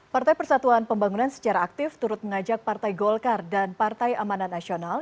partai persatuan pembangunan secara aktif turut mengajak partai golkar dan partai amanat nasional